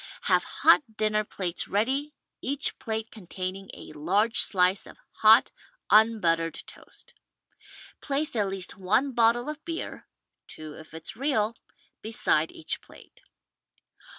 Have hot dinner plates ready, each plate containing a large slice of hot, unbuttered toast. Place at least one bottle of beer — two if it's real — ^beside each plate.